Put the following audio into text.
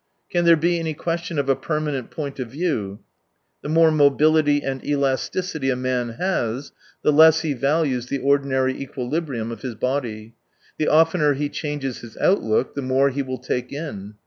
Can there be any question of a permanent point of view f The more mobility and elasticity a man has, the less he values the ordinary equilibriiam of his body ; the oftener he changes his outlook, the more he will take in.